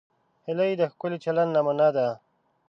هیلۍ د ښکلي چلند نمونه ده